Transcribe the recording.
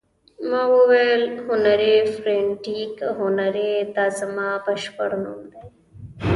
ما وویل: هنري، فرېډریک هنري، دا زما بشپړ نوم دی.